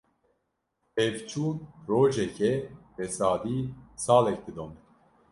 Pevçûn rojekê, fesadî salek didome.